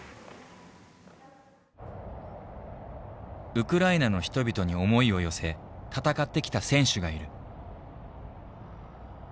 ウクライナの人々に思いを寄せ戦ってきた選手がいる。